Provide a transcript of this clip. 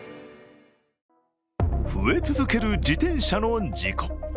増え続ける自転車の事故。